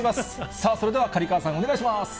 さあ、それでは刈川さん、お願いします。